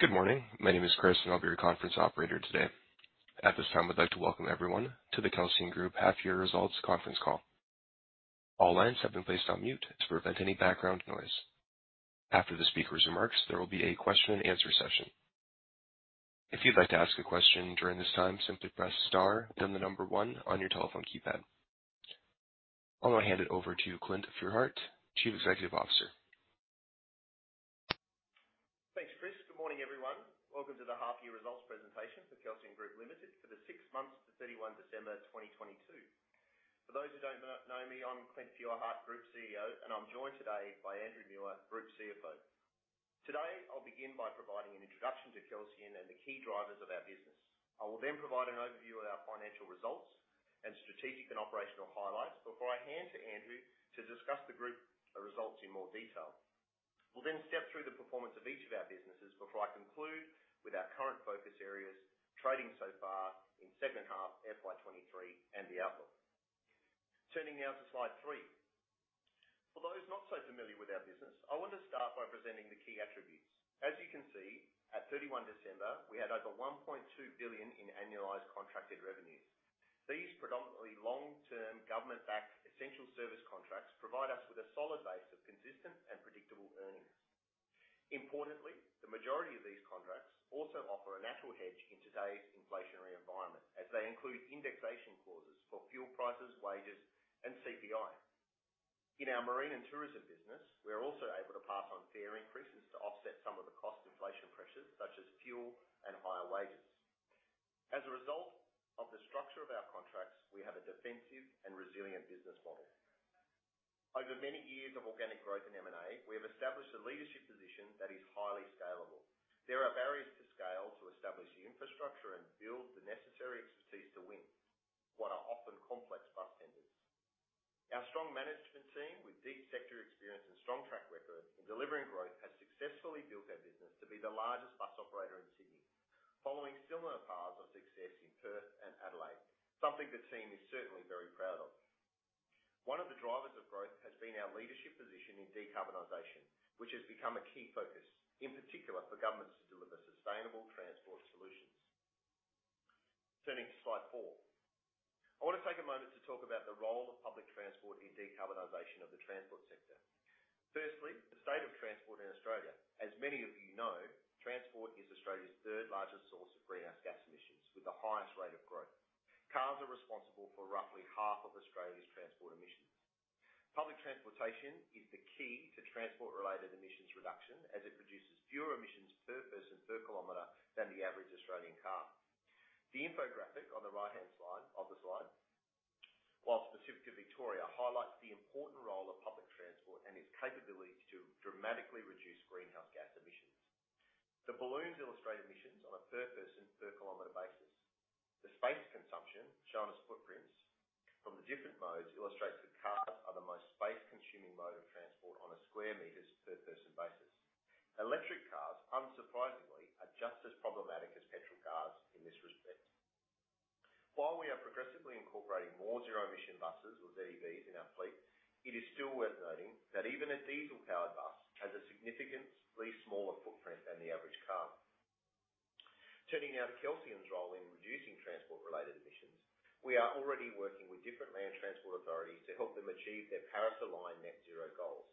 Good morning. My name is Chris, I'll be your conference operator today. At this time, I'd like to welcome everyone to the Kelsian Group Half Year Results Conference Call. All lines have been placed on mute to prevent any background noise. After the speaker's remarks, there will be a question and answer session. If you'd like to ask a question during this time, simply press star then one on your telephone keypad. I'm going to hand it over to Clint Feuerherdt, Chief Executive Officer. Thanks, Chris. Good morning, everyone. Welcome to the half year results presentation for Kelsian Group Limited for the six months to 31 December, 2022. For those who don't know me, I'm Clint Feuerherdt, Group CEO. I'm joined today by Andrew Muir, Group CFO. Today, I'll begin by providing an introduction to Kelsian and the key drivers of our business. I will then provide an overview of our financial results and strategic and operational highlights before I hand to Andrew to discuss the group results in more detail. We'll step through the performance of each of our businesses before I conclude with our current focus areas trading so far in second half FY23 and the outlook. Turning now to slide three. For those not so familiar with our business, I want to start by presenting the key attributes. As you can see, at 31 December, we had over 1.2 billion in annualized contracted revenues. These predominantly long-term government-backed essential service contracts provide us with a solid base of consistent and predictable earnings. Importantly, the majority of these contracts also offer a natural hedge in today's inflationary environment as they include indexation clauses for fuel prices, wages, and CPI. In our marine and tourism business, we are also able to pass on fare increases to offset some of the cost inflation pressures such as fuel and higher wages. As a result of the structure of our contracts, we have a defensive and resilient business model. Over many years of organic growth in M&A, we have established a leadership position that is highly scalable. There are barriers to scale to establish the infrastructure and build the necessary expertise to win what are often complex bus tenders. Our strong management team with deep sector experience and strong track record in delivering growth has successfully built our business to be the largest bus operator in Sydney following similar paths of success in Perth and Adelaide, something the team is certainly very proud of. One of the drivers of growth has been our leadership position in decarbonization, which has become a key focus, in particular for governments to deliver sustainable transport solutions. Turning to slide four. I want to take a moment to talk about the role of public transport in decarbonization of the transport sector. Firstly, the state of transport in Australia. As many of you know, transport is Australia's third largest source of greenhouse gas emissions with the highest rate of growth. Cars are responsible for roughly half of Australia's transport emissions. Public transportation is the key to transport-related emissions reduction as it produces fewer emissions per person per kilometer than the average Australian car. The infographic on the right-hand side of the slide, while specific to Victoria, highlights the important role of public transport and its capability to dramatically reduce greenhouse gas emissions. The balloons illustrate emissions on a per person per kilometer basis. The space consumption, shown as footprints from the different modes, illustrates that cars are the most space consuming mode of transport on a square meters per person basis. Electric cars, unsurprisingly, are just as problematic as petrol cars in this respect. While we are progressively incorporating more zero-emission buses with ZEVs in our fleet, it is still worth noting that even a diesel-powered bus has a significantly smaller footprint than the average car. Turning now to Kelsian's role in reducing transport-related emissions. We are already working with different land transport authorities to help them achieve their Paris-aligned net zero goals.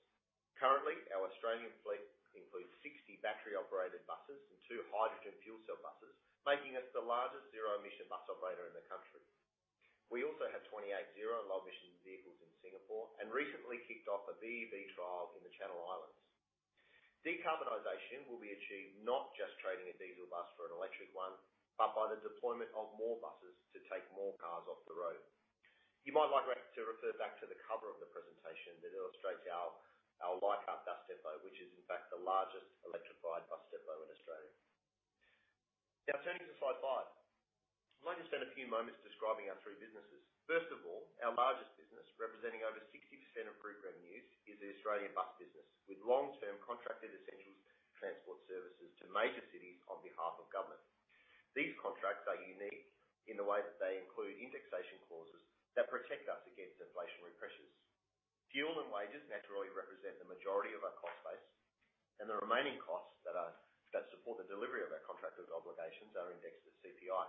Currently, our Australian fleet includes 60 battery-operated buses and two hydrogen fuel cell buses, making us the largest zero-emission bus operator in the country. We also have 28 zero low-emission vehicles in Singapore and recently kicked off a ZEV trial in the Channel Islands. Decarbonization will be achieved not just trading a diesel bus for an electric one, but by the deployment of more buses to take more cars off the road. You might like to refer back to the cover of the presentation that illustrates our Leichhardt bus depot, which is in fact the largest electrified bus depot in Australia. Turning to slide five. I'd like to spend a few moments describing our three businesses. First of all, our largest business, representing over 60% of group revenues, is the Australian bus business with long-term contracted essentials transport services to major cities on behalf of government. These contracts are unique in the way that they include indexation clauses that protect us against inflationary pressures. Fuel and wages naturally represent the majority of our cost base, and the remaining costs that support the delivery of our contracted obligations are indexed to CPI.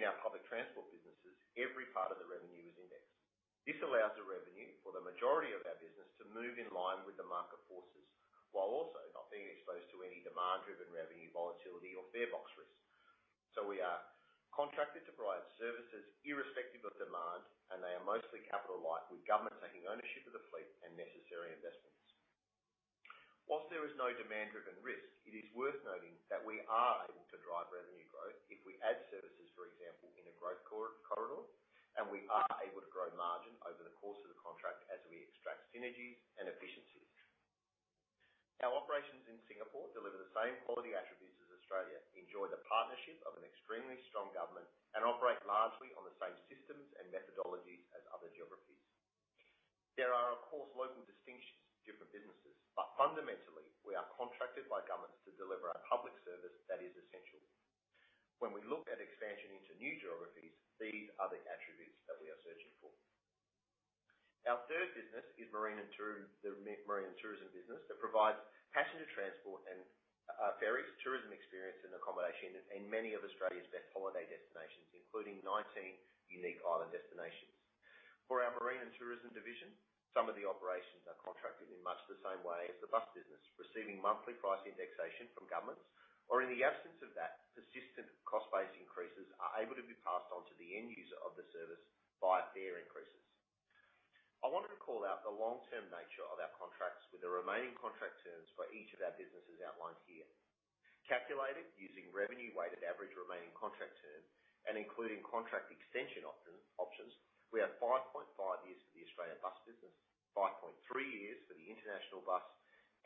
In our public transport businesses, every part of the revenue is indexed. This allows the revenue for the majority of our business to move in line with the market forces while also not being exposed to any demand-driven revenue volatility or fare box risk. We are contracted to provide services irrespective of demand, and they are mostly capital light, with government taking ownership of the fleet and necessary investments. Whilst there is no demand-driven risk, it is worth noting that we are able to drive revenue growth if we add services, for example, in a growth corridor, and we are able to grow margin over the course of the contract as we extract synergies and efficiencies. Our operations in Singapore deliver the same quality attributes as Australia, enjoy the partnership of an extremely strong government, and operate largely on the same systems and methodologies as other geographies. There are, of course, local distinctions to different businesses, but fundamentally, we are contracted by governments to deliver a public service. When we look at expansion into new geographies, these are the attributes that we are searching for. Our third business is marine and the marine and tourism business that provides passenger transport and ferries, tourism experience, and accommodation in many of Australia's best holiday destinations, including 19 unique island destinations. For our Marine and Tourism division, some of the operations are contracted in much the same way as the bus business, receiving monthly price indexation from governments, or in the absence of that, persistent cost-based increases are able to be passed on to the end user of the service via fare increases. I wanted to call out the long-term nature of our contracts with the remaining contract terms for each of our businesses outlined here. Calculated using revenue weighted average remaining contract term and including contract extension opt-in options, we have 5.5 years for the Australian bus business, 5.3 years for the international bus,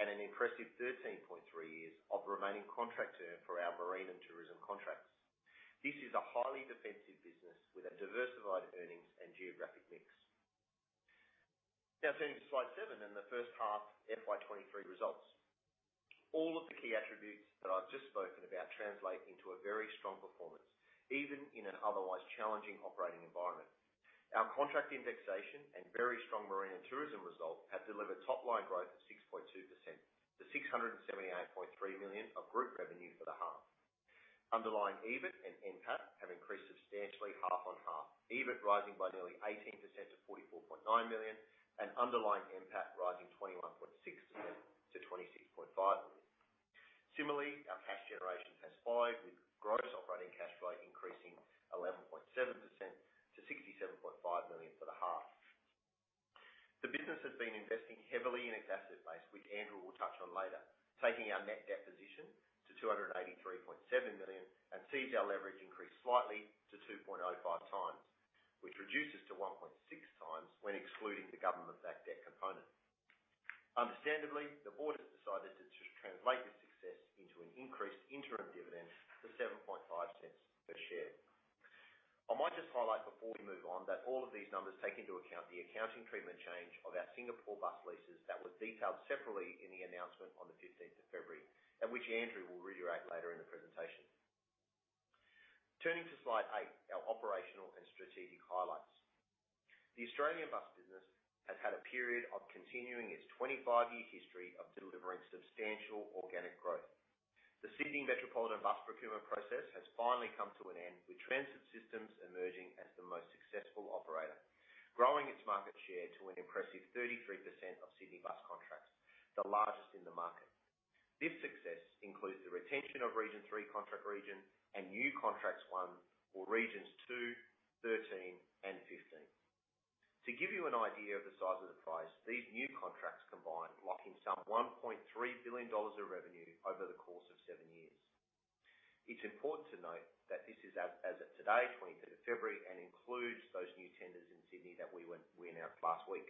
and an impressive 13.3 years of remaining contract term for our Marine and Tourism contracts. This is a highly defensive business with a diversified earnings and geographic mix. Now turning to slide seven and the first half FY23 results. All of the key attributes that I've just spoken about translate into a very strong performance, even in an otherwise challenging operating environment. Our contract indexation and very strong marine and tourism result have delivered top line growth of 6.2% to 678.3 million of group revenue for the half. Underlying EBIT and NPAT have increased substantially half-on-half. EBIT rising by nearly 18% to 44.9 million and underlying NPAT rising 21.6% to 26.5 million. Our cash generation has followed, with gross operating cash flow increasing 11.7% to 67.5 million for the half. The business has been investing heavily in its asset base, which Andrew will touch on later, taking our net debt position to 283.7 million and sees our leverage increase slightly to 2.05 times, which reduces to 1.6 times when excluding the government-backed debt component. Understandably, the board has decided to translate this success into an increased interim dividend to 0.075 per share. I might just highlight before we move on that all of these numbers take into account the accounting treatment change of our Singapore bus leases that were detailed separately in the announcement on the 15th of February, and which Andrew will reiterate later in the presentation. Turning to slide eight, our operational and strategic highlights. The Australian bus business has had a period of continuing its 25-year history of delivering substantial organic growth. The Sydney Metropolitan Bus procurement process has finally come to an end, with Transit Systems emerging as the most successful operator, growing its market share to an impressive 33% of Sydney bus contracts, the largest in the market. This success includes the retention of Region three contract region and new contracts won for Regions two, 13, and 15. To give you an idea of the size of the prize, these new contracts combine, locking some $1.3 billion of revenue over the course of seven years. It's important to note that this is as of today, 20th of February, and includes those new tenders in Sydney that we announced last week.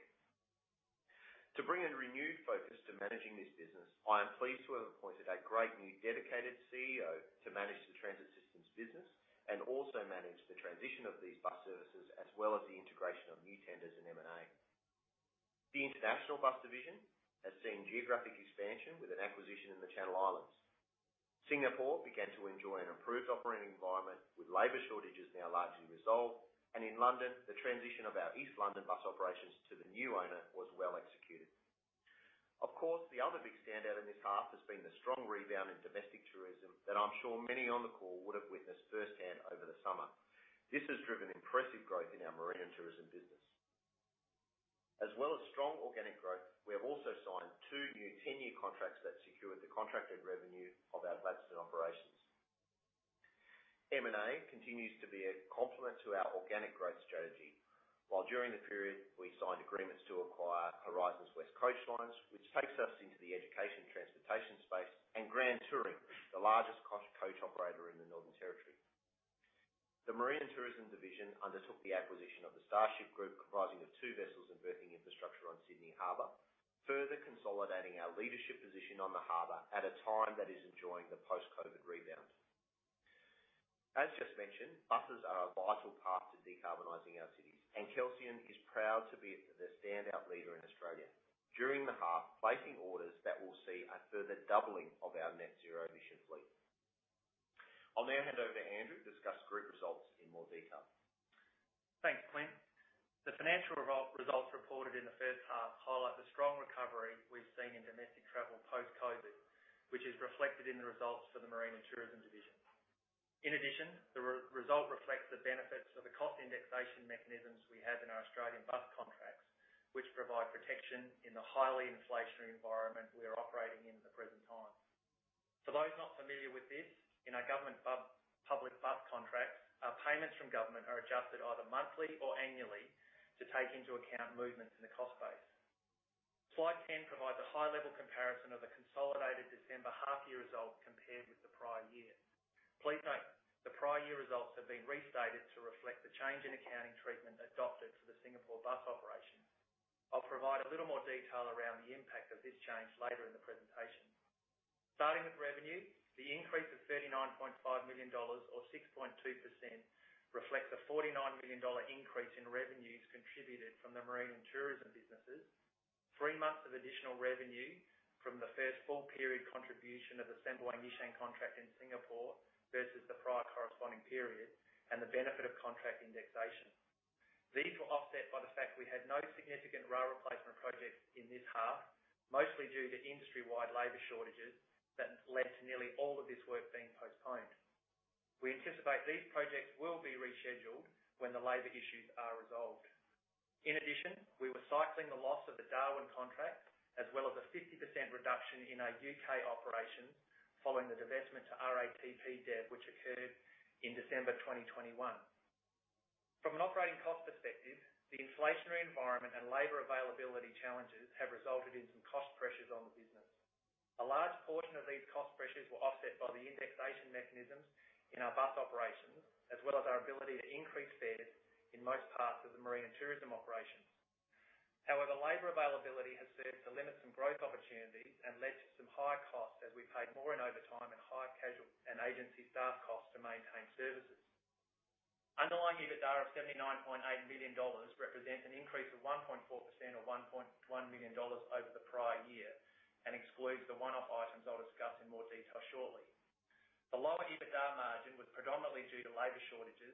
To bring a renewed focus to managing this business, I am pleased to have appointed a great new dedicated CEO to manage the Transit Systems business and also manage the transition of these bus services as well as the integration of new tenders and M&A. The international bus division has seen geographic expansion with an acquisition in the Channel Islands. Singapore began to enjoy an improved operating environment, with labor shortages now largely resolved. In London, the transition of our East London bus operations to the new owner was well executed. Of course, the other big standout in this half has been the strong rebound in domestic tourism that I'm sure many on the call would have witnessed firsthand over the summer. This has driven impressive growth in our marine and tourism business. Strong organic growth, we have also signed two new 10-year contracts that secured the contracted revenue of our Gladstone operations. M&A continues to be a complement to our organic growth strategy, while during the period we signed agreements to acquire Horizons West Coast Lines, which takes us into the education transportation space and Grand Touring, the largest coach operator in the Northern Territory. The marine and tourism division undertook the acquisition of the Starship Group, comprising of two vessels and berthing infrastructure on Sydney Harbor, further consolidating our leadership position on the harbor at a time that is enjoying the post-Covid rebound. Just mentioned, buses are a vital path to decarbonizing our cities, and Kelsian is proud to be the standout leader in Australia. During the half, placing orders that will see a further doubling of our net zero emission fleet. I'll now hand over to Andrew to discuss group results in more detail. Thanks, Clint. The financial results reported in the first half highlight the strong recovery we've seen in domestic travel post-COVID, which is reflected in the results for the marine and tourism division. The result reflects the benefits of the cost indexation mechanisms we have in our Australian bus contracts, which provide protection in the highly inflationary environment we are operating in the present time. For those not familiar with this, in our government public bus contracts, our payments from government are adjusted either monthly or annually to take into account movements in the cost base. Slide 10 provides a high-level comparison of the consolidated December half-year result compared with the prior year. Please note, the prior year results have been restated to reflect the change in accounting treatment adopted for the Singapore bus operations. I'll provide a little more detail around the impact of this change later in the presentation. Starting with revenue, the increase of $39.5 million or 6.2% reflects a $49 million increase in revenues contributed from the marine and tourism businesses. Three months of additional revenue from the first full period contribution of the Sembawang-Yishun contract in Singapore versus the prior corresponding period and the benefit of contract indexation. These were offset by the fact we had no significant rail replacement projects in this half, mostly due to industry-wide labor shortages that led to nearly all of this work being postponed. We anticipate these projects will be rescheduled when the labor issues are resolved. We were cycling the loss of the Darwin contract, as well as a 50% reduction in our UK operations following the divestment to RATP Dev, which occurred in December 2021. From an operating cost perspective, the inflationary environment and labor availability challenges have resulted in some cost pressures on the business. A large portion of these cost pressures were offset by the indexation mechanisms in our bus operations, as well as our ability to increase fares in most parts of the marine and tourism operations. Labor availability has served to limit some growth opportunities and led to some higher costs as we paid more in overtime and higher casual and agency staff costs to maintain services. Underlying EBITDA of 79.8 million dollars represents an increase of 1.4% or 1.1 million dollars over the prior year and excludes the one-off items I'll discuss in more detail shortly. The lower EBITDA margin was predominantly due to labor shortages,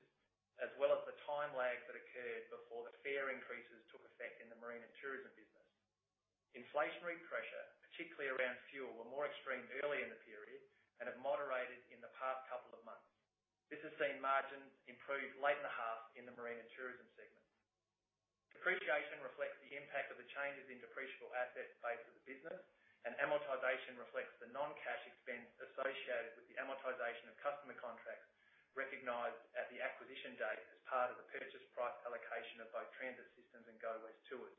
as well as the time lag that occurred before the fare increases took effect in the marine and tourism business. Inflationary pressure, particularly around fuel, were more extreme early in the period and have moderated in the past couple of months. This has seen margins improve late in the half in the marine and tourism segment. Depreciation reflects the impact of the changes in depreciable asset base of the business, and amortization reflects the non-cash expense associated with the amortization of customer contracts recognized at the acquisition date as part of the purchase price allocation of both Transit Systems and Go West Tours.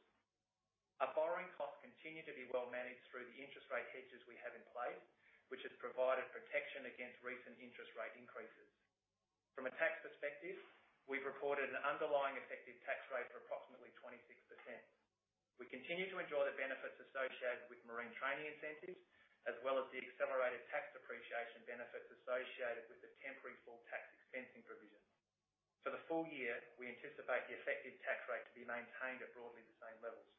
Our borrowing costs continue to be well managed through the interest rate hedges we have in place, which has provided protection against recent interest rate increases. From a tax perspective, we've reported an underlying effective tax rate for approximately 26%. We continue to enjoy the benefits associated with marine training incentives, as well as the accelerated tax depreciation benefits associated with the temporary full tax expensing provisions. For the full year, we anticipate the effective tax rate to be maintained at broadly the same levels.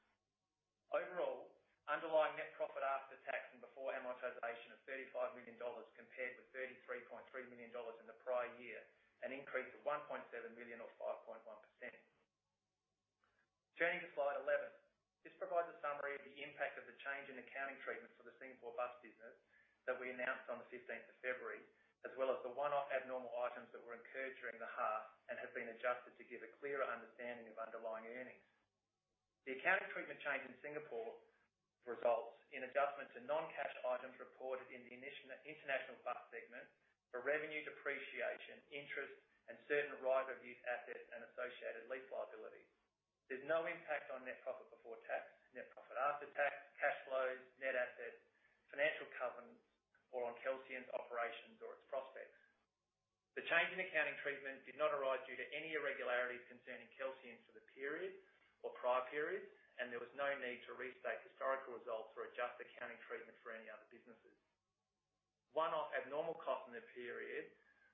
Overall, underlying net profit after tax and before amortization of 35 million dollars compared with 33.3 million dollars in the prior year, an increase of 1.7 million or 5.1%. Turning to slide 11. This provides a summary of the impact of the change in accounting treatment for the Singapore bus business that we announced on the 15th of February, as well as the one-off abnormal items that were incurred during the half and have been adjusted to give a clearer understanding of underlying earnings. The accounting treatment change in Singapore results in adjustment to non-cash items reported in the international bus segment for revenue depreciation, interest, and certain right-of-use assets and associated lease liabilities. There's no impact on net profit before tax, net profit after tax, cash flows, net assets, financial covenants, or on Kelsian's operations or its prospects. The change in accounting treatment did not arise due to any irregularities concerning Kelsian for the period or prior periods, and there was no need to restate historical results or adjust accounting treatment for any other businesses. One-off abnormal costs in the period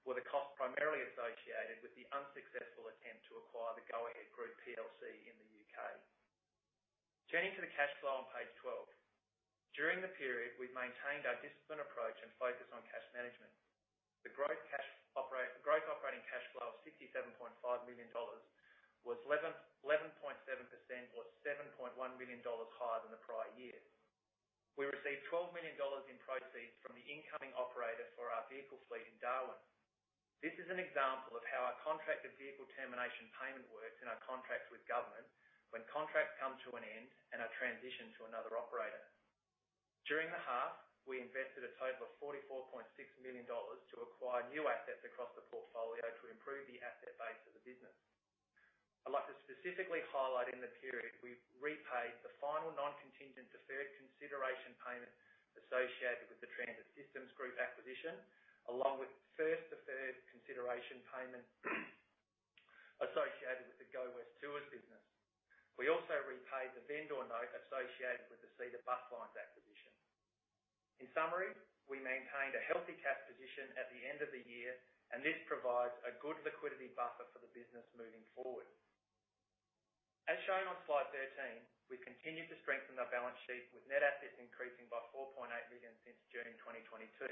were the cost primarily associated with the unsuccessful attempt to acquire the Go-Ahead Group PLC in the U.K. Turning to the cash flow on page 12. During the period, we've maintained our disciplined approach and focus on cash management. The growth operating cash flow of $67.5 million was 11.7% or $7.1 million higher than the prior year. We received $12 million in proceeds from the incoming operator for our vehicle fleet in Darwin. This is an example of how our contracted vehicle termination payment works in our contracts with government when contracts come to an end and are transitioned to another operator. During the half, we invested a total of $44.6 million to acquire new assets across the portfolio to improve the asset base of the business. I'd like to specifically highlight in the period we repaid the final non-contingent deferred consideration payment associated with the Transit Systems group acquisition, along with first deferred consideration payment associated with the Go West Tours business. We also repaid the vendor note associated with the Cedar Bus Lines acquisition. In summary, we maintained a healthy cash position at the end of the year, and this provides a good liquidity buffer for the business moving forward. As shown on slide 13, we've continued to strengthen our balance sheet with net assets increasing by 4.8 million since June 2022.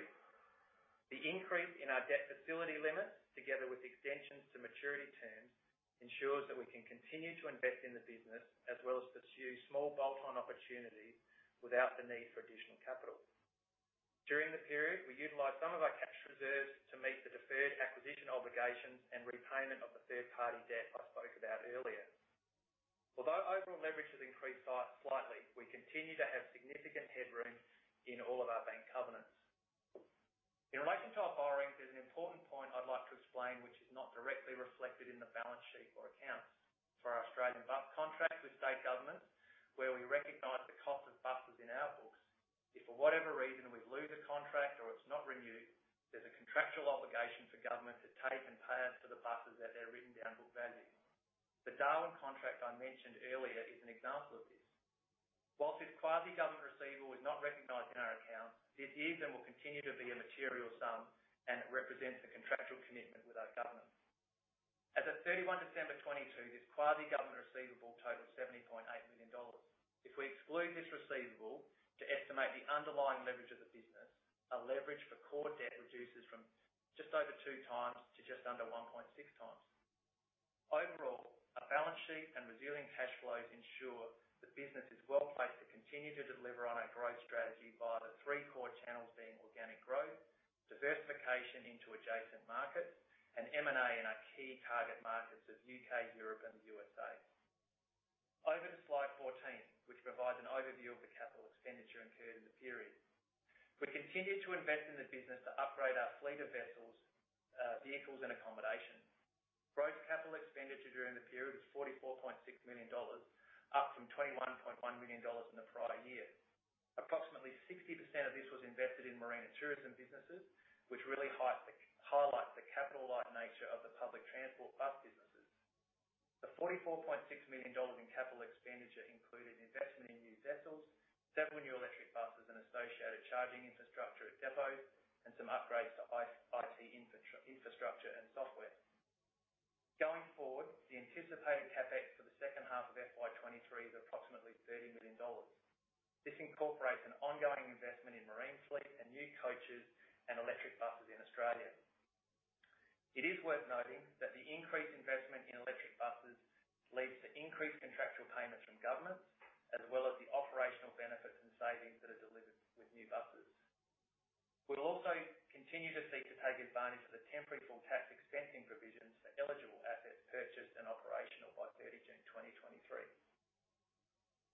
The increase in our debt facility limits, together with extensions to maturity terms, ensures that we can continue to invest in the business as well as pursue small bolt-on opportunities without the need for additional capital. During the period, we utilized some of our cash reserves to meet the deferred acquisition obligations and repayment of the third-party debt I spoke about earlier. Although overall leverage has increased slightly, we continue to have significant headroom in all of our bank covenants. In relation to our borrowings, there's an important point I'd like to explain, which is not directly reflected in the balance sheet or accounts. For our Australian bus contract with state governments, where we recognize the cost of buses in our books. If for whatever reason we lose a contract or it's not renewed, there's a contractual obligation for government to take and pay us for the buses at their written down book value. The Darwin contract I mentioned earlier is an example of this. Whilst this quasi-government receivable is not recognized in our accounts, this is and will continue to be a material sum, and it represents the contractual commitment with our government. As of 31 December, 2022, this quasi-government receivable totaled $70.8 million. If we exclude this receivable to estimate the underlying leverage of the business, our leverage for core debt reduces from just over 2x to just under 1.6x. Overall, our balance sheet and resilient cash flows ensure the business is well-placed to continue to deliver on our growth strategy via the three core channels being organic growth, diversification into adjacent markets, and M&A in our key target markets of UK, Europe, and the USA. Over to slide 14, which provides an overview of the capital expenditure incurred in the period. We continued to invest in the business to upgrade our fleet of vessels, vehicles, and accommodation. Gross capital expenditure during the period was $44.6 million, up from $21.1 million in the prior year. Approximately 60% of this was invested in marine and tourism businesses, which really highlight the capital-light nature of the public transport bus businesses. The $44.6 million in capital expenditure included investment in new vessels, several new electric buses and associated charging infrastructure at depots, and some upgrades to IT infrastructure and software. Going forward, the anticipated CapEx for the second half of FY23 is approximately $30 million. This incorporates an ongoing investment in marine fleet and new coaches and electric buses in Australia. It is worth noting that the increased investment in electric buses leads to increased contractual payments from governments, as well as the operational benefits and savings that are delivered with new buses. We'll also continue to seek to take advantage of the temporary full tax expensing provisions for eligible assets purchased and operational by 30 June, 2023.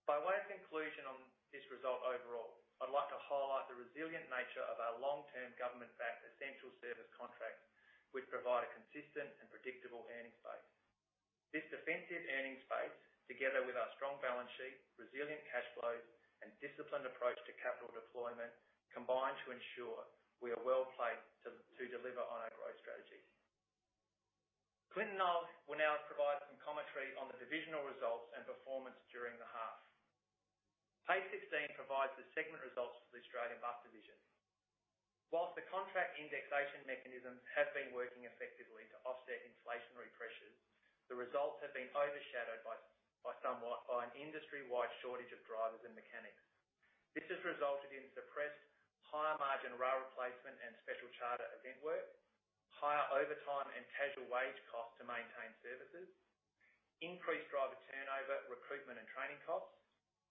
By way of conclusion on this result overall, I'd like to highlight the resilient nature of our long-term government-backed essential service contracts, which provide a consistent and predictable earnings base. This defensive earnings base, together with our strong balance sheet, resilient cash flows, and disciplined approach to capital deployment, combine to ensure we are well-placed to deliver on our growth strategy. Clint and I will now provide some commentary on the divisional results and performance during the half. Page 16 provides the segment results for the Australian Bus division. Whilst the contract indexation mechanisms have been working effectively to offset inflationary pressures, the results have been overshadowed by somewhat by an industry-wide shortage of drivers and mechanics. This has resulted in suppressed higher margin rail replacement and special charter event work, higher overtime and casual wage costs to maintain services, increased driver turnover, recruitment and training costs,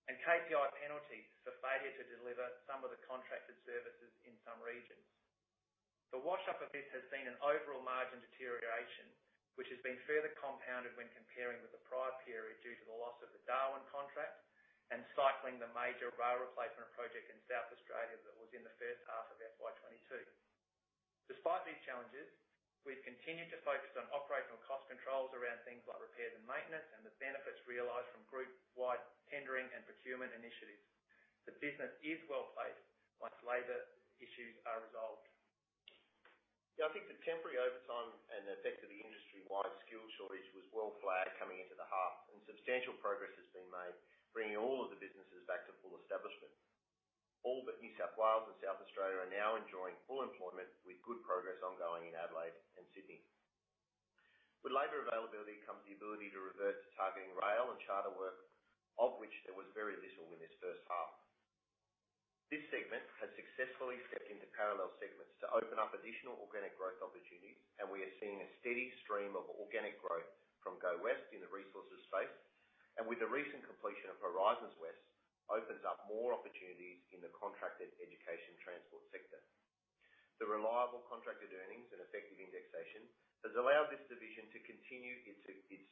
and KPI penalties for failure to deliver some of the contracted services in some regions. The wash up of this has been an overall margin deterioration, which has been further compounded when comparing with the prior period due to the loss of the Darwin contract and cycling the major rail replacement project in South Australia that was in the first half of FY22. Despite these challenges, we've continued to focus on operational cost controls around things like repairs and maintenance and the benefits realized from group-wide tendering and procurement initiatives. The business is well-placed once labor issues are resolved. I think the temporary overtime and effect of the industry-wide skill shortage was well flagged coming into the half. Substantial progress has been made bringing all of the businesses back to full establishment. All but New South Wales and South Australia are now enjoying full employment with good progress ongoing in Adelaide and Sydney. With labor availability comes the ability to revert to targeting rail and charter work, of which there was very little in this first half. This segment has successfully stepped into parallel segments to open up additional organic growth opportunities. We are seeing a steady stream of organic growth from Go West in the resources space. With the recent completion of Horizons West, opens up more opportunities in the contracted education transport sector. The reliable contracted earnings and effective indexation has allowed this division to continue its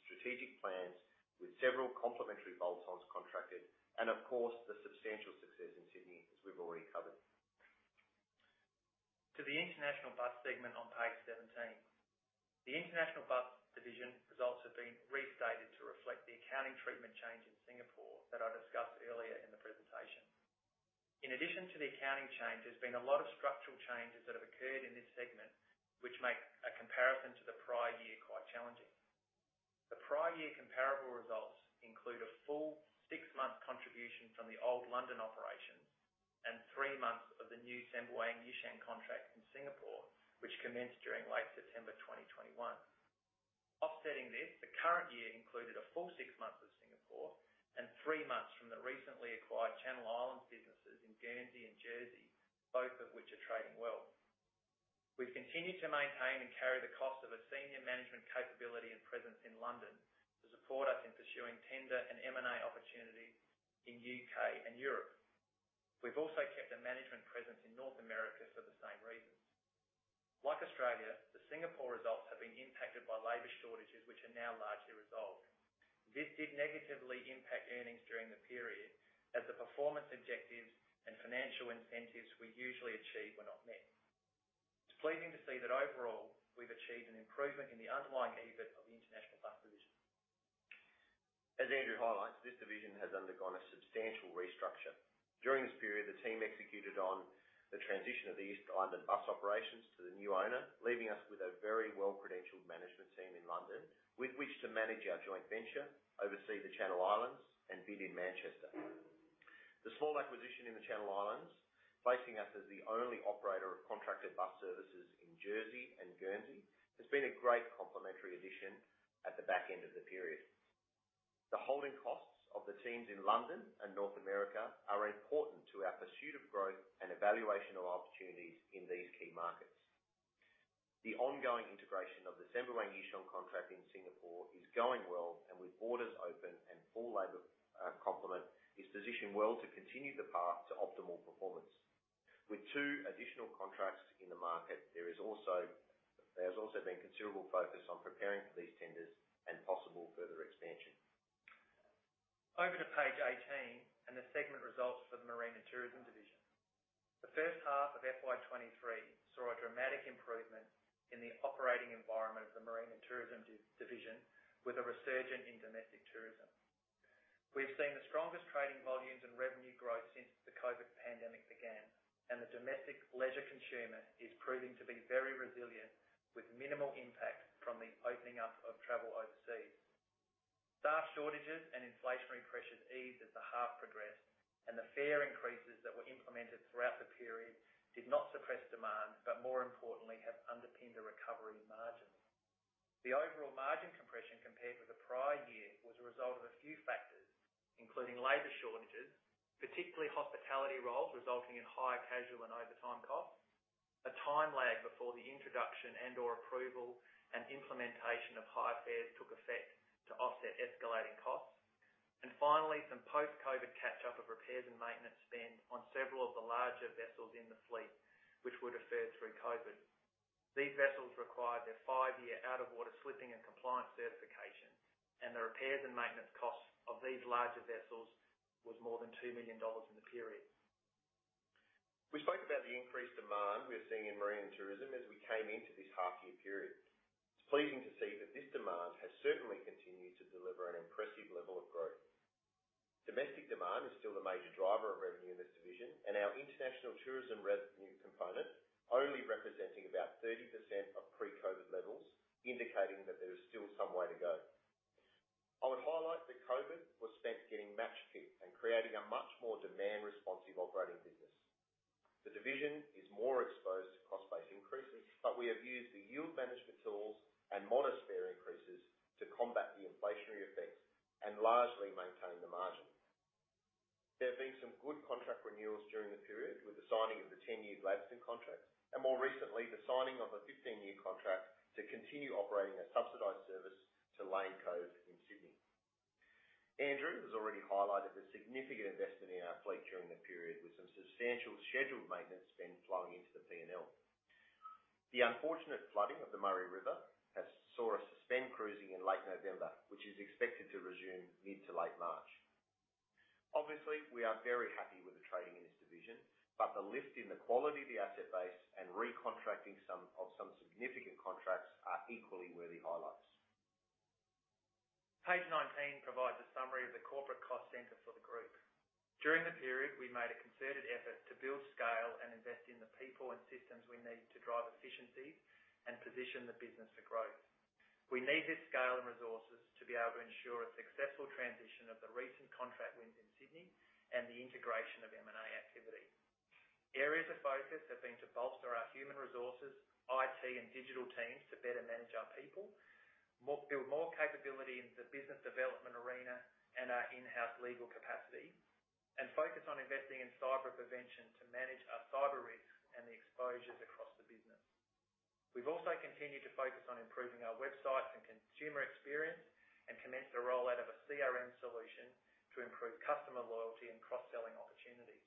strategic plans with several complementary bolt-ons contracted, and of course, the substantial success in Sydney as we've already covered. To the International Bus segment on page 17. The International Bus division results have been restated to reflect the accounting treatment change in Singapore that I discussed earlier in the presentation. There's been a lot of structural changes that have occurred in this segment, which make a comparison to the prior year quite challenging. The prior year comparable results include a full 6-month contribution from the old London operations and 3 months of the new Sembawang-Yishun contract in Singapore, which commenced during late September 2021. Offsetting this, the current year included a full six months of Singapore and three months from the recently acquired Channel Island businesses in Guernsey and Jersey, both of which are trading well. We've continued to maintain and carry the cost of a senior management capability and presence in London to support us in pursuing tender and M&A opportunities in U.K. and Europe. We've also kept a management presence in North America for the same reasons. Like Australia, the Singapore results have been impacted by labor shortages, which are now largely resolved. This did negatively impact earnings during the period as the performance objectives and financial incentives we usually achieve were not met. It's pleasing to see that overall, we've achieved an improvement in the underlying EBIT of the International Bus division. As Andrew highlights, this division has undergone a substantial restructure. During this period, the team executed on the transition of the East London bus operations to the new owner, leaving us with a very well-credentialed management team in London with which to manage our joint venture, oversee the Channel Islands, and bid in Manchester. The small acquisition in the Channel Islands, placing us as the only operator of contracted bus services in Jersey and Guernsey, has been a great complementary addition at the back end of the period. The holding costs of the teams in London and North America are important to our pursuit of growth and evaluation of opportunities in these key markets. The ongoing integration of the Sembawang-Yishun contract in Singapore is going well, and with borders open and full labor complement, is positioned well to continue the path to optimal performance. With two additional contracts in the market, there has also been considerable focus on preparing for these tenders and possible further expansion. Over to page 18 and the segment results for the Marine and Tourism division. The first half of FY23 saw a dramatic improvement in the operating environment of the Marine and Tourism division, with a resurgence in domestic tourism. We've seen the strongest trading volumes and revenue growth since the COVID pandemic began, and the domestic leisure consumer is proving to be very resilient, with minimal impact from the opening up of travel overseas. Staff shortages and inflationary pressures eased as the half progressed, and the fare increases that were implemented throughout the period did not suppress demand, but more importantly have underpinned a recovery in margins. The overall margin compression compared with the prior year was a result of a few factors, including labor shortages, particularly hospitality roles resulting in higher casual and overtime costs, a time lag before the introduction and/or approval and implementation of higher fares took effect to offset escalating costs. Finally, some post-COVID catch-up of repairs and maintenance spend on several of the larger vessels in the fleet which were deferred through COVID. These vessels required their five-year out of water slipping and compliance certification, and the repairs and maintenance costs of these larger vessels was more than 2 million dollars in the period. We spoke about the increased demand we are seeing in marine and tourism as we came into this half year period. It's pleasing to see that this demand has certainly continued to deliver an impressive level of growth. Domestic demand is still the major driver of revenue in this division and our international tourism revenue component only representing about 30% of pre-COVID levels, indicating that there is still some way to go. I would highlight that COVID was spent getting match fit and creating a much more demand responsive operating business. The division is more exposed to cost base increases, but we have used the yield management tools and modest fare increases to combat the inflationary effects and largely maintain the margins. There have been some good contract renewals during the period with the signing of the 10-year Gladstone contract and more recently the signing of a 15-year contract to continue operating a subsidized service to Lane Cove in Sydney. Andrew has already highlighted the significant investment in our fleet during the period, with some substantial scheduled maintenance spend flowing into the P&L. The unfortunate flooding of the Murray River saw us suspend cruising in late November, which is expected to resume mid to late March. We are very happy with the trading in this division, but the lift in the quality of the asset base and recontracting of some significant contracts are equally worthy highlights. Page 19 provides a summary of the corporate cost center for the group. During the period, we made a concerted effort to build scale and invest in the people and systems we need to drive efficiency and position the business for growth. We need this scale and resources to be able to ensure a successful transition of the recent contract wins in Sydney and the integration of M&A activity. Areas of focus have been to bolster our human resources, IT and digital teams to better manage our people, build more capability in the business development arena and our in-house legal capacity, and focus on investing in cyber prevention to manage our cyber risks and the exposures across the business. We've also continued to focus on improving our websites and consumer experience and commenced the rollout of a CRM solution to improve customer loyalty and cross-selling opportunities.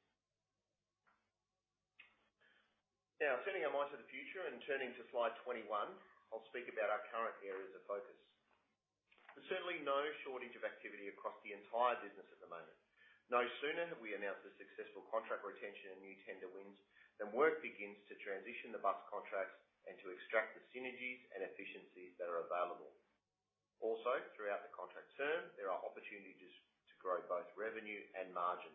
Now turning our mind to the future and turning to slide 21, I'll speak about our current areas of focus. There's certainly no shortage of activity across the entire business at the moment. No sooner have we announced the successful contract retention and new tender wins, then work begins to transition the bus contracts and to extract the synergies and efficiencies that are available. Throughout the contract term, there are opportunities to grow both revenue and margin.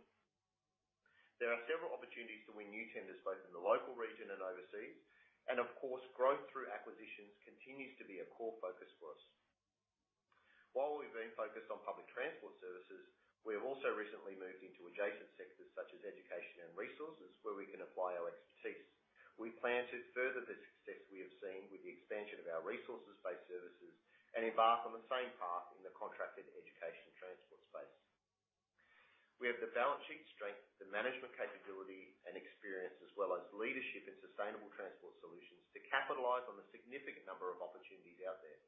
There are several opportunities to win new tenders both in the local region and overseas. Of course, growth through acquisitions continues to be a core focus for us. While we've been focused on public transport services, we have also recently moved into adjacent sectors such as education and resources, where we can apply our expertise. We plan to further the success we have seen with the expansion of our resources-based services and embark on the same path in the contracted education transport space. We have the balance sheet strength, the management capability and experience, as well as leadership in sustainable transport solutions to capitalize on the significant number of opportunities out there.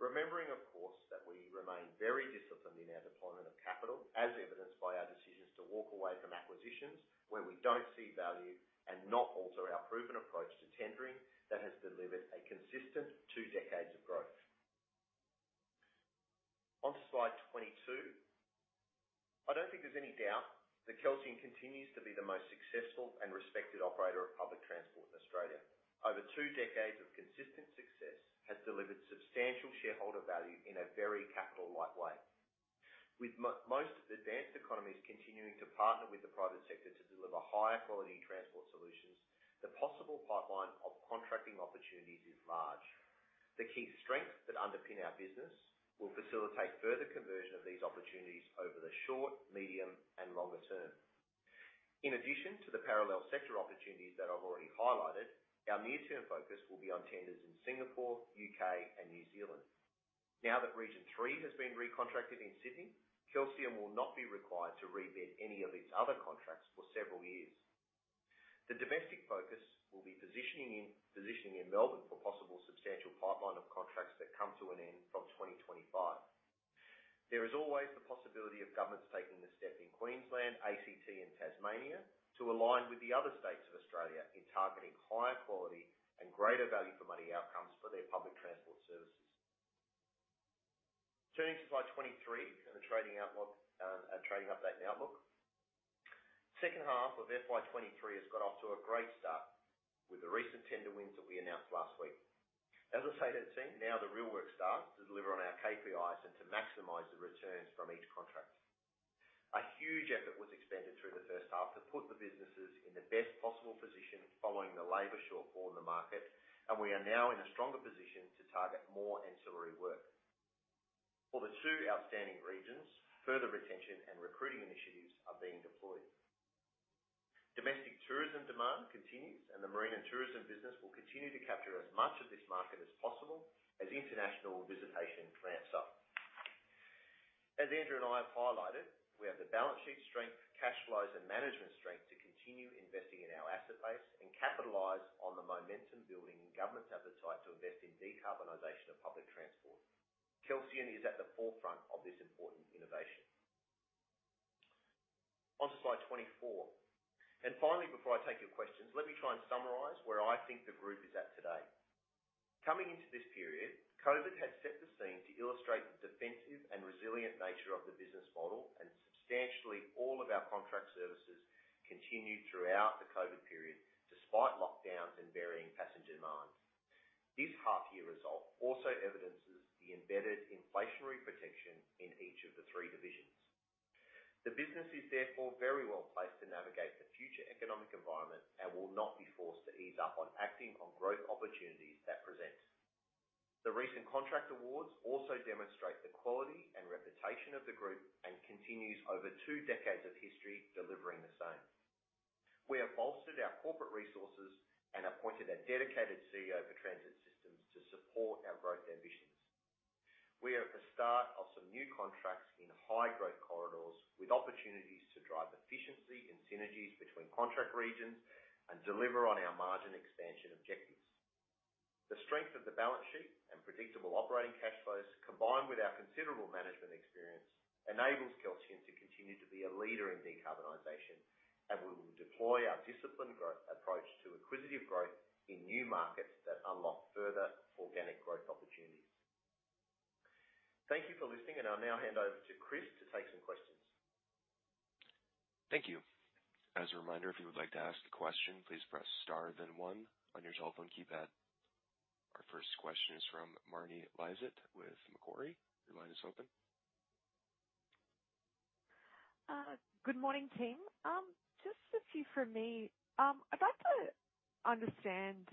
Remembering, of course, that we remain very disciplined in our deployment of capital, as evidenced by our decisions to walk away from acquisitions where we don't see value and not alter our proven approach to tendering that has delivered a consistent two decades of growth. On to slide 22. I don't think there's any doubt that Kelsian continues to be the most successful and respected operator of public transport in Australia. Over two decades of consistent success has delivered substantial shareholder value in a very capital light way. With most of the advanced economies continuing to partner with the private for higher quality transport solutions, the possible pipeline of contracting opportunities is large. The key strengths that underpin our business will facilitate further conversion of these opportunities over the short, medium, and longer term. In addition to the parallel sector opportunities that I've already highlighted, our near-term focus will be on tenders in Singapore, UK, and New Zealand. Now that Region three has been recontracted in Sydney, Kelsian will not be required to re-bid any of its other contracts for several years. The domestic focus will be positioning in Melbourne for possible substantial pipeline of contracts that come to an end from 2025. There is always the possibility of governments taking the step in Queensland, ACT, and Tasmania to align with the other states of Australia in targeting higher quality and greater value for money outcomes for their public transport services. Turning to slide 23, the trading outlook and trading update and outlook. Second half of FY23 has got off to a great start with the recent tender wins that we announced last week. As I said, now the real work starts to deliver on our KPIs and to maximize the returns from each contract. A huge effort was expended through the first half to put the businesses in the best possible position following the labor shortfall in the market, and we are now in a stronger position to target more ancillary work. For the two outstanding regions, further retention and recruiting initiatives are being deployed. Domestic tourism demand continues, and the marine and tourism business will continue to capture as much of this market as possible as international visitation ramps up. As Andrew and I have highlighted, we have the balance sheet strength, cash flow, and management strength to continue investing in our asset base and capitalize on the momentum building in governments' appetite to invest in decarbonization of public transport. Kelsian is at the forefront of this important innovation. Onto slide 24. Finally, before I take your questions, let me try and summarize where I think the group is at today. Coming into this period, COVID had set the scene to illustrate the defensive and resilient nature of the business model, and substantially all of our contract services continued throughout the COVID period, despite lockdowns and varying passenger demands. This half year result also evidences the embedded inflationary protection in each of the three divisions. The business is therefore very well placed to navigate the future economic environment and will not be forced to ease up on acting on growth opportunities that present. The recent contract awards also demonstrate the quality and reputation of the group and continues over two decades of history delivering the same. We have bolstered our corporate resources and appointed a dedicated CEO for Transit Systems to support our growth ambitions. We are at the start of some new contracts in high growth corridors with opportunities to drive efficiency and synergies between contract regions and deliver on our margin expansion objectives. The strength of the balance sheet and predictable operating cash flows, combined with our considerable management experience, enables Kelsian to continue to be a leader in decarbonization. We will deploy our disciplined growth approach to acquisitive growth in new markets that unlock further organic growth opportunities. Thank you for listening, and I'll now hand over to Chris to take some questions. Thank you. As a reminder, if you would like to ask a question, please press star then one on your telephone keypad. Our first question is from Marni Lysaght with Macquarie. Your line is open. Good morning, team. Just a few from me. I'd like to understand,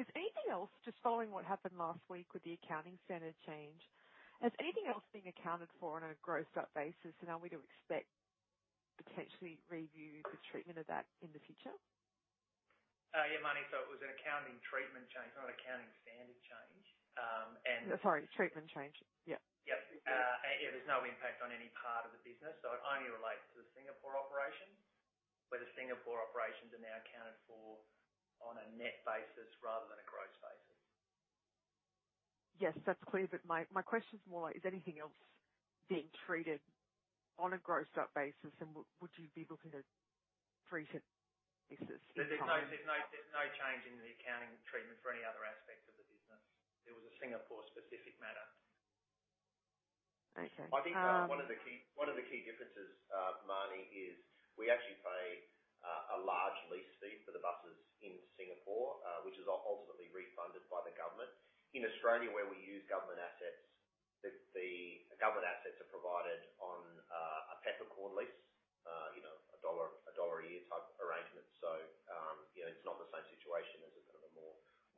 is anything else just following what happened last week with the accounting standard change, has anything else been accounted for on a grossed up basis? Are we to expect potentially review the treatment of that in the future? Yeah, Marni. It was an accounting treatment change, not accounting standard change. Sorry, treatment change. Yeah. Yeah. Yeah, there's no impact on any part of the business, so it only relates to the Singapore operations. Where the Singapore operations are now accounted for on a net basis rather than a gross basis. Yes, that's clear. My question is more: Is anything else being treated on a grossed up basis? Would you be looking at treating this as- There's no change in the accounting treatment for any other aspect of the business. It was a Singapore specific matter. Okay. I think one of the key differences, Marni, is we actually pay a large lease fee for the buses in Singapore, which is ultimately refunded by the government. In Australia, where we use government assets, the government assets are provided on a peppercorn lease, you know, a $1 a year type arrangement. You know, it's not the same situation as a kind of a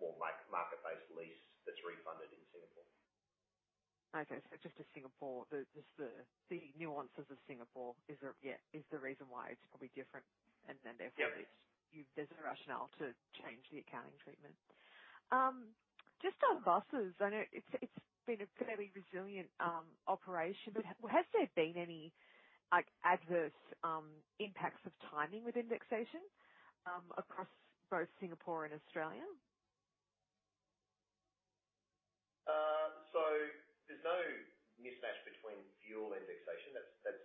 more like market-based lease that's refunded in Singapore. Okay. just to Singapore, the nuances of Singapore is the, yeah, is the reason why it's probably different and therefore. Yeah. There's a rationale to change the accounting treatment. Just on buses, I know it's been a fairly resilient operation. Has there been any, like, adverse impacts of timing with indexation across both Singapore and Australia? There's no mismatch between fuel indexation that's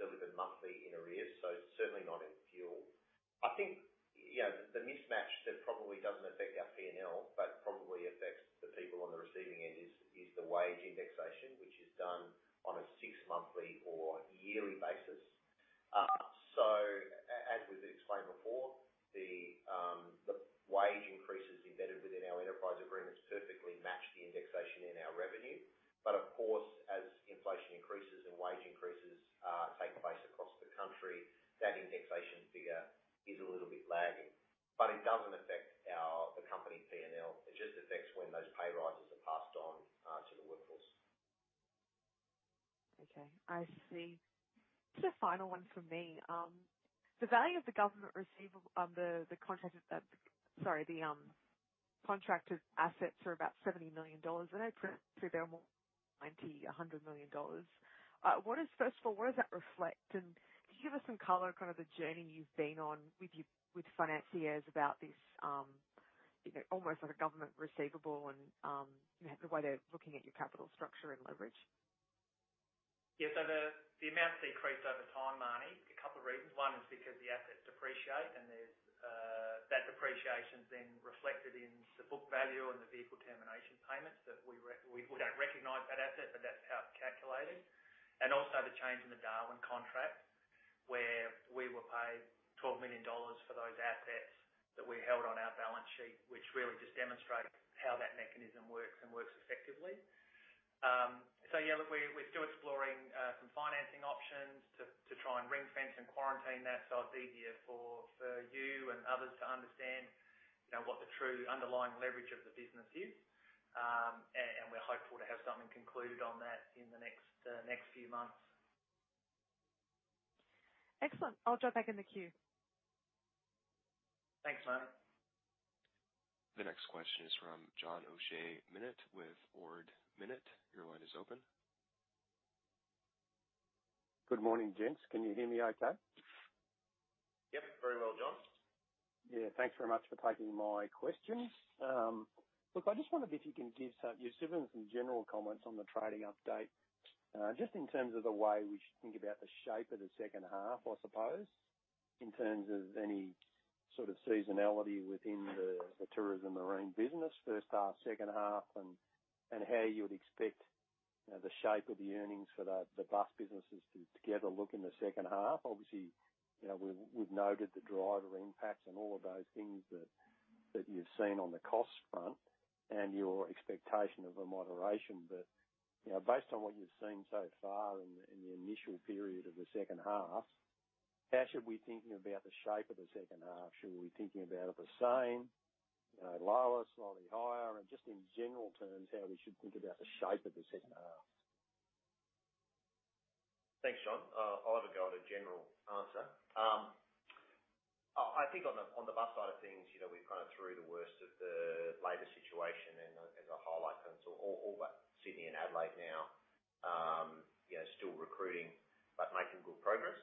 delivered monthly in arrears, so certainly not in fuel. I think, yeah, the mismatch that probably doesn't affect our PNL but probably affects the people on the receiving end is the wage indexation, which is done on a six-monthly or yearly basis. As we've explained before, the wage increases embedded within our enterprise agreements perfectly match the indexation in our revenue. Of course, as inflation increases and wage increases take place across the country. That indexation figure is a little bit lagging, but it doesn't affect our, the company PNL, it just affects when those pay rises are passed on to the workforce. Okay, I see. Just a final one from me. The value of the government receivable on the contracted, sorry, the, contracted assets are about $70 million. I know previously they were more $90 million, $100 million. What is, first of all, what does that reflect? Can you give us some color, kind of the journey you've been on with your, with financiers about this, you know, almost like a government receivable and, you know, the way they're looking at your capital structure and leverage? Yeah. The amount's decreased over time, Marni. A couple of reasons. One is because the assets depreciate and there's, that depreciation is then reflected in the book value and the vehicle termination payments that we don't recognize that asset, but that's how it's calculated. Also the change in the Darwin contract, where we were paid 12 million dollars for those assets that we held on our balance sheet, which really just demonstrates how that mechanism works and works effectively. Yeah, look, we're still exploring, some financing options to try and ring-fence and quarantine that, so it's easier for you and others to understand, you know, what the true underlying leverage of the business is. We're hopeful to have something concluded on that in the next few months. Excellent. I'll drop back in the queue. Thanks, Marnie. The next question is from John O'Shea, Minett with Ord Minnett. Your line is open. Good morning, gents. Can you hear me okay? Yep. Very well, John. Yeah, thanks very much for taking my questions. look, I just wondered if you can give some, you've given some general comments on the trading update. just in terms of the way we should think about the shape of the second half, I suppose, in terms of any sort of seasonality within the tourism marine business, first half, second half, and how you would expect, you know, the shape of the earnings for the bus businesses to together look in the second half. Obviously, you know, we've noted the driver impacts and all of those things that you've seen on the cost front and your expectation of a moderation. you know, based on what you've seen so far in the initial period of the second half, how should we be thinking about the shape of the second half? Should we be thinking about it the same, you know, lower, slightly higher? Just in general terms, how we should think about the shape of the second half? Thanks, John. I'll have a go at a general answer. I think on the, on the bus side of things, you know, we're kind of through the worst of the labor situation and the, and the highlight comes all but Sydney and Adelaide now, you know, still recruiting but making good progress.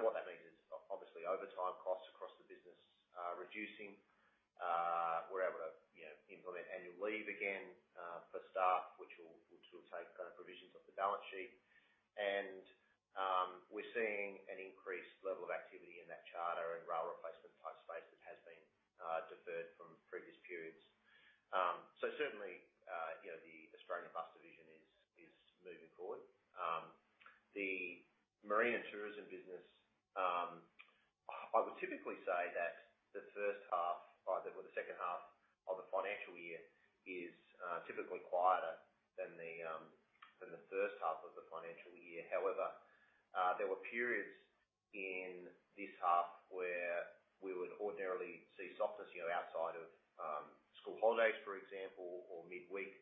What that means is obviously overtime costs across the business are reducing. We're able to, you know, implement annual leave again for staff, which will take kind of provisions off the balance sheet. We're seeing an increased level of activity in that charter and rail replacement type space that has been deferred from previous periods. Certainly, you know, the Australian bus division is moving forward. The marine and tourism business, I would typically say that the first half or the second half of the financial year is typically quieter than the first half of the financial year. However, there were periods in this half where we would ordinarily see softness, you know, outside of school holidays, for example, or midweek,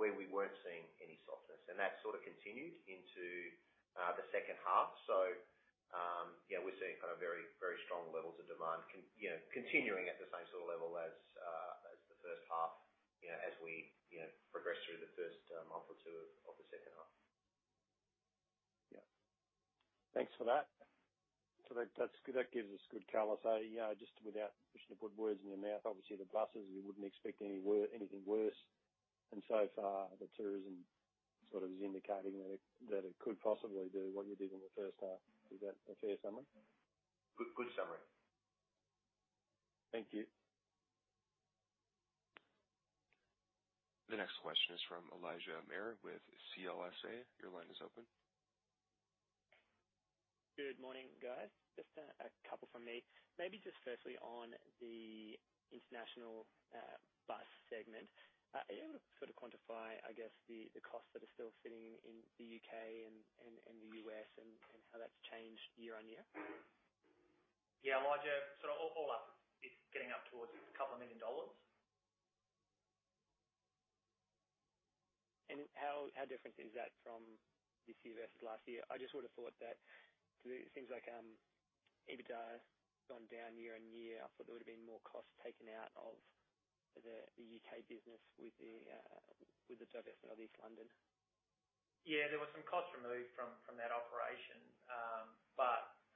where we weren't seeing any softness. That sort of continued into the second half. Yeah, we're seeing kind of very, very strong levels of demand, you know, continuing at the same sort of level as the first half, you know, as we, you know, progress through the first month or two of the second half. Yeah. Thanks for that. That's good. That gives us good color. You know, just without wishing to put words in your mouth, obviously the buses, we wouldn't expect anything worse. So far, the tourism sort of is indicating that it could possibly do what you did in the first half. Is that a fair summary? Good, good summary. Thank you. The next question is from Elijah Mayr with CLSA. Your line is open. Good morning, guys. Just a couple from me. Maybe just firstly, on the international bus segment, are you able to sort of quantify, I guess, the costs that are still sitting in the UK and the US and how that's changed year-on-year? Yeah, Elijah. Sort of all up, it's getting up towards 2 million dollars. How different is that from this year versus last year? I just would've thought that it seems like EBITDA has gone down year on year. I thought there would've been more cost taken out of the U.K. business with the divestment of East London. Yeah, there was some cost removed from that operation.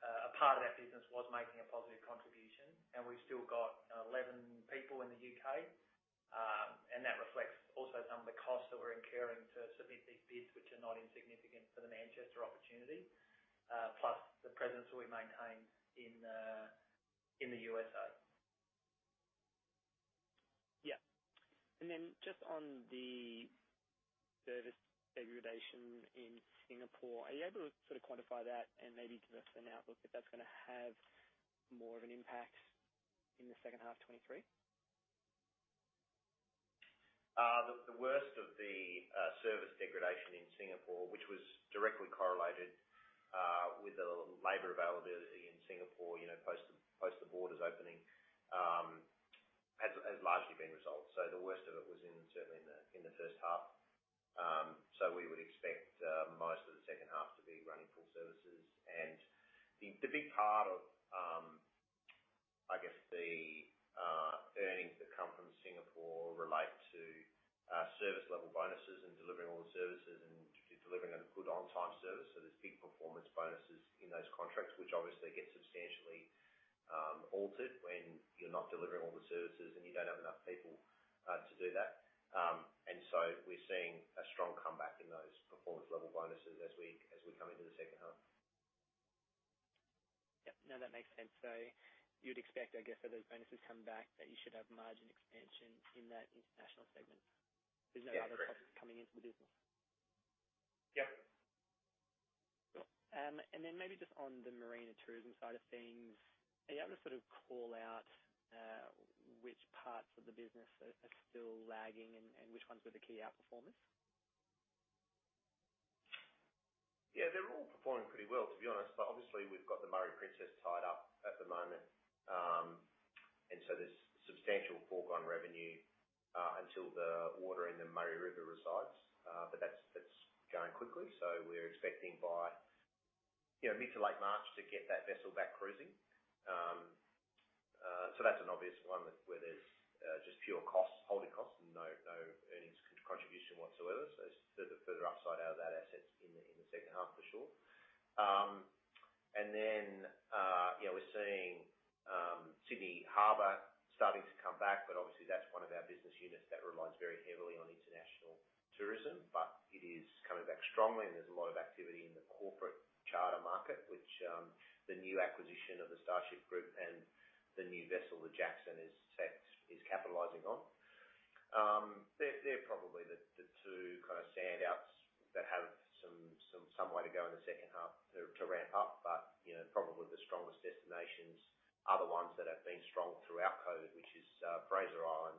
A part of that business was making a positive contribution, and we've still got 11 people in the U.K. That reflects also some of the costs that we're incurring to submit these bids, which are not insignificant for the Manchester opportunity, plus the presence we maintain in the USA. Yeah. Then just on the service degradation in Singapore, are you able to sort of quantify that and maybe give us an outlook if that's gonna have more of an impact in the second half 2023? The worst of the service degradation in Singapore, which was directly correlated with the labor availability in Singapore, you know, post the borders opening, has largely been resolved. The worst of it was in, certainly in the first half. We would expect most of the second half to be running full services. The big part of, I guess the earnings that come from Singapore relate to service level bonuses and delivering all the services and delivering a good on-time service. There's big performance bonuses in those contracts, which obviously get substantially altered when you're not delivering all the services and you don't have enough people to do that. We're seeing a strong comeback in those performance level bonuses as we come into the second half. Yep. No, that makes sense. You'd expect, I guess, that as bonuses come back, that you should have margin expansion in that international segment. Yeah, correct. There's no other costs coming into the business. Yep. Cool. Then maybe just on the marine and tourism side of things, are you able to sort of call out, which parts of the business are still lagging and which ones were the key outperformance? Yeah, they're all performing pretty well, to be honest. Obviously we've got the Murray Princess tied up at the moment. There's substantial foregone revenue until the water in the Murray River resides. That's going quickly. We're expecting by, you know, mid to late March to get that vessel back cruising. That's an obvious one where there's just pure costs, holding costs and no earnings contribution whatsoever. There's further upside out of that asset in the second half for sure. Yeah, we're seeing Sydney Harbour starting to come back, but obviously that's one of our business units that relies very heavily on international tourism. It is coming back strongly and there's a lot of activity in the corporate charter market, which the new acquisition of the Starship Group and the new vessel, The Jackson, is capitalizing on. They're probably the two kind of standouts that have some way to go in the second half to ramp up. You know, probably the strongest destinations are the ones that have been strong throughout COVID, which is Fraser Island,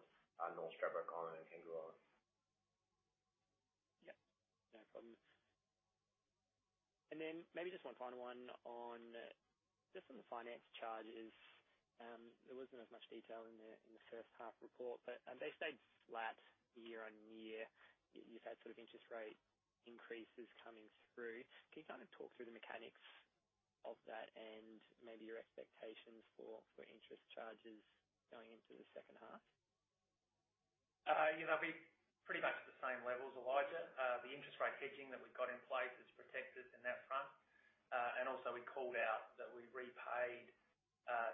North Stradbroke Island and Kangaroo Island. Yeah, no problem. Maybe just one final one on, just on the finance charges. There wasn't as much detail in the, in the first half report, but they stayed flat year-on-year. You've had sort of interest rate increases coming through. Can you kind of talk through the mechanics of that and maybe your expectations for interest charges going into the second half? you know, be pretty much the same levels, Elijah. The interest rate hedging that we've got in place has protected in that front. Also we called out that we repaid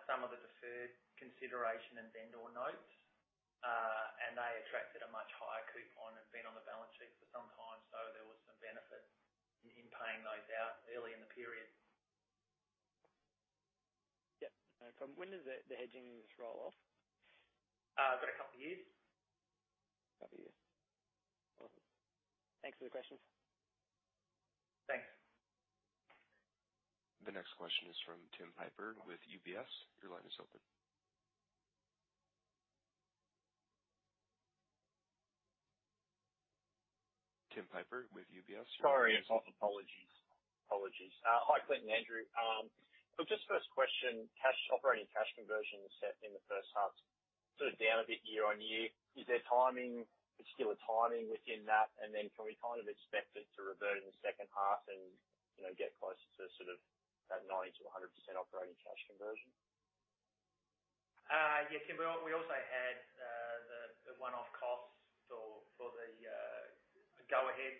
some of the deferred consideration and vendor notes, and they attracted a much higher coupon and been on the balance sheet for some time, so there was some benefit in paying those out early in the period. Yep. No problem. When does the hedging roll off? about a couple of years. Couple years. Awesome. Thanks for the questions. Thanks. The next question is from Tim Piper with UBS. Your line is open. Tim Piper with UBS. Sorry. Apologies. Hi, Clinton, Andrew. Look, just first question, operating cash conversion was set in the first half, sort of down a bit year-on-year. Is there potential of timing within that? Then can we kind of expect it to revert in the second half and, you know, get closer to sort of that 90%-100% operating cash conversion? Yeah, Tim, we also had the one-off costs for the Go-Ahead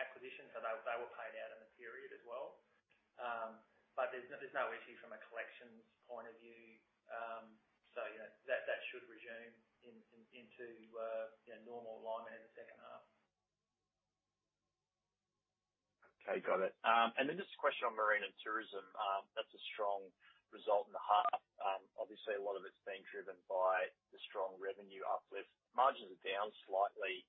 acquisition. They were paid out in the period as well. There's no issue from a collections point of view. You know, that should resume into, you know, normal alignment in the second half. Okay, got it. Then just a question on marine and tourism. That's a strong result in the half. Obviously a lot of it's being driven by the strong revenue uplift. Margins are down slightly.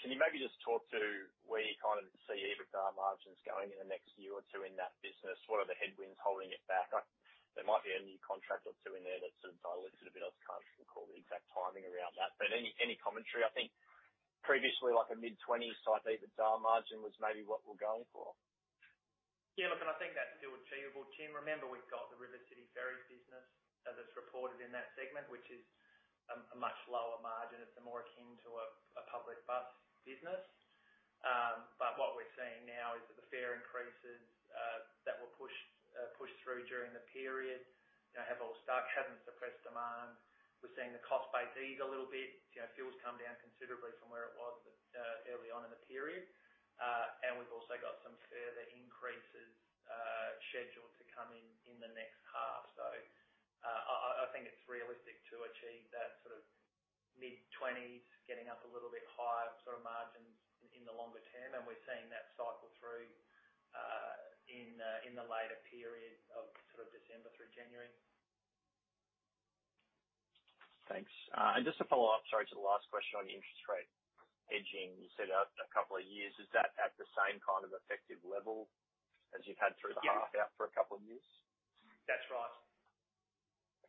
Can you maybe just talk to where you kind of see EBITDA margins going in the next year or two in that business? What are the headwinds holding it back? There might be a new contract or two in there that sort of dilutes it a bit. I can't recall the exact timing around that. Any, any commentary, I think previously like a mid-twenties type EBITDA margin was maybe what we're going for. Yeah, look, I think that's still achievable, Tim. Remember, we've got the RiverCity Ferries business as it's reported in that segment, which is a much lower margin. It's more akin to a public bus business. What we're seeing now is that the fare increases that were pushed through during the period, you know, have all stuck, haven't suppressed demand. We're seeing the cost base ease a little bit. You know, fuel's come down considerably from where it was early on in the period. We've also got some further increases scheduled to come in the next half. I think it's realistic to achieve that sort of mid-20s, getting up a little bit higher sort of margins in the longer term. We're seeing that cycle through, in the later period of sort of December through January. Thanks. Just to follow up, sorry, to the last question on interest rate hedging. You said out a couple of years, is that at the same kind of effective level as you've had through the half out for a couple of years? That's right.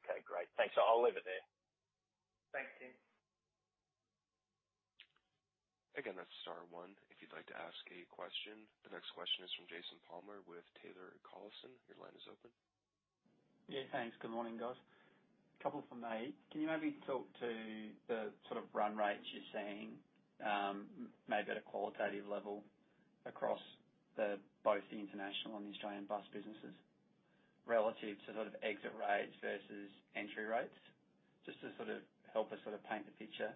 Okay, great. Thanks. I'll leave it there. Thanks, Tim. Again, that's star one if you'd like to ask a question. The next question is from Jason Palmer with Taylor Collison. Your line is open. Yeah, thanks. Good morning, guys. Couple from me. Can you maybe talk to the sort of run rates you're seeing, maybe at a qualitative level across both the international and the Australian bus businesses relative to sort of exit rates versus entry rates? Just to sort of help us sort of paint the picture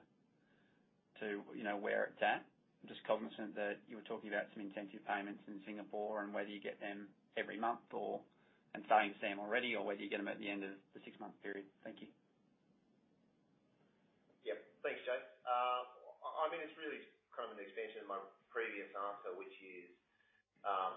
to, you know, where it's at. Just cognizant that you were talking about some incentive payments in Singapore and whether you get them every month or signing Sam already or whether you get them at the end of the six-month period. Thank you. Yeah. Thanks, Jason. I mean, it's really kind of an extension of my previous answer, which is, you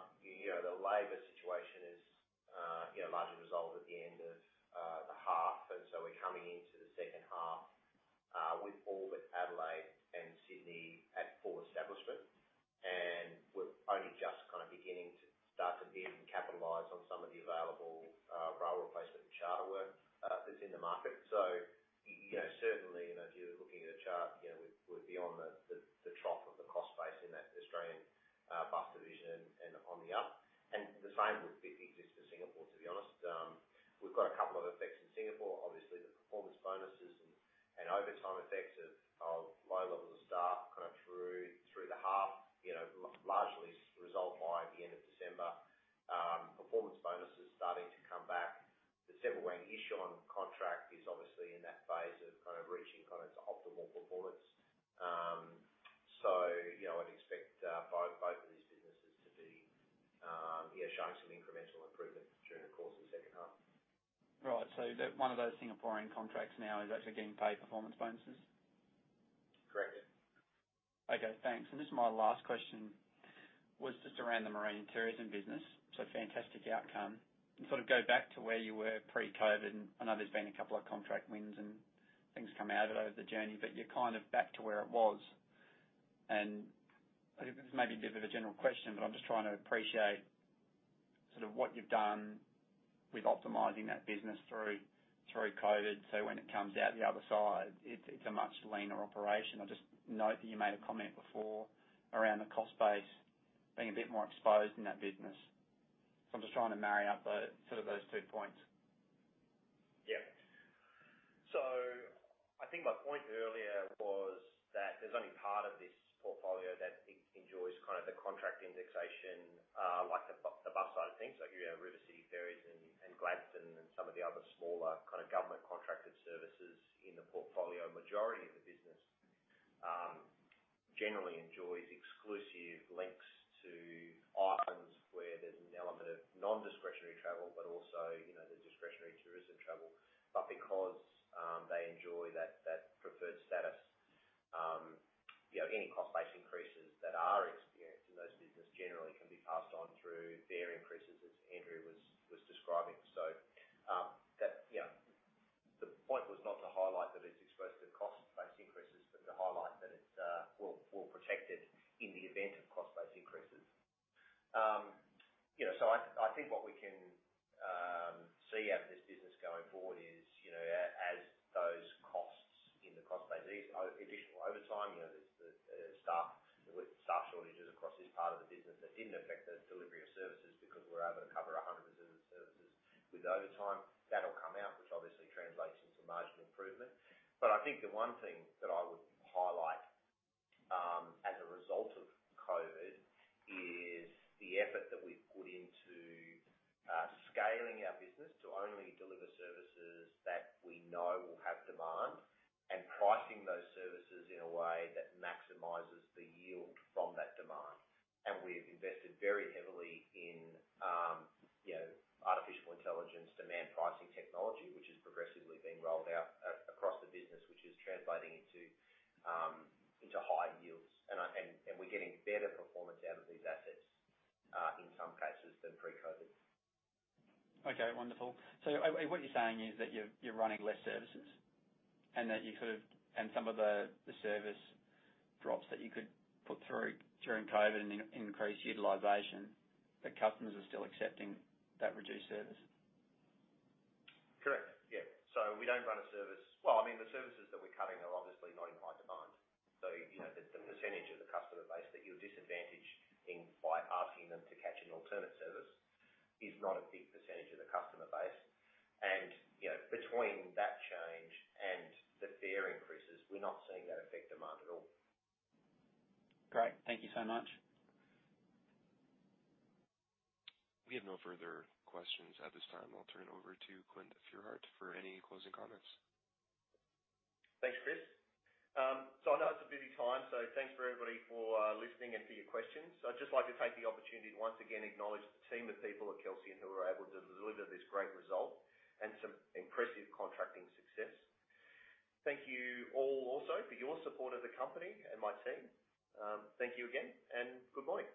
things come out of it over the journey, but you're kind of back to where it was. This may be a bit of a general question, but I'm just trying to appreciate sort of what you've done with optimizing that business through COVID, so when it comes out the other side, it's a much leaner operation. I just note that you made a comment before around the cost base being a bit more exposed in that business. I'm just trying to marry up sort of those two points. Yeah. I think my point earlier was that there's only part of this portfolio that enjoys kind of the contract indexation, like the bus side of things. You know, RiverCity Ferries and Gladstone and some of the other smaller kind of government contracted services in the portfolio. Majority of the business, generally enjoys exclusive links to islands where there's an element of non-discretionary travel, but also, you know, the discretionary tourism travel. Because they enjoy that preferred status, you know, any cost base increases that are experienced in those business generally can be passed on through fare increases, as Andrew was describing. That, you know, the point was not to highlight that it's exposed to cost base increases, but to highlight that it's well-protected in the event of cost base increases. you know, I think what we can see out of this business going forward is, you know, as those costs in the cost base, these additional overtime, you know, there's the staff, with staff shortages across this part of the business that didn't affect the delivery of services because we're able to cover 100% of services with overtime. That'll come out, which obviously translates into marginal improvement. I think the one thing that I would highlight, as a result of COVID is the effort that we've put into, scaling our business to only deliver services that we know will have demand, and pricing those services in a way that maximizes the yield from that demand. We've invested very heavily in, you know, artificial intelligence demand pricing technology, which is progressively being rolled out across the business, which is translating into higher yields. We're getting better performance out of these assets in some cases than pre-COVID. Okay, wonderful. What you're saying is that you're running less services and some of the service drops that you could put through during COVID and increase utilization, the customers are still accepting that reduced service? Correct. Yeah. We don't run a service. Well, I mean, the services that we're cutting are obviously not in high demand. You know, the percentage of the customer base that you'll disadvantage in by asking them to catch an alternate service is not a big percentage of the customer base. You know, between that change and the fare increases, we're not seeing that affect demand at all. Great. Thank you so much. We have no further questions at this time. I'll turn it over to Clint Feuerherdt for any closing comments. Thanks, Chris. I know it's a busy time, thanks for everybody for listening and for your questions. I'd just like to take the opportunity to once again acknowledge the team of people at Kelsian who were able to deliver this great result and some impressive contracting success. Thank you all also for your support of the company and my team. Thank you again, good morning.